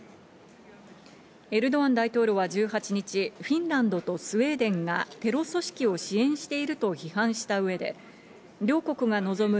エルドアン大統領は１８日、フィンランドとスウェーデンがテロ組織を支援していると批判した上で両国が望む